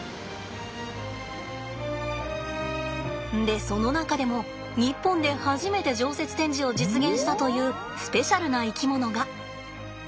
でその中でも日本で初めて常設展示を実現したというスペシャルな生き物が。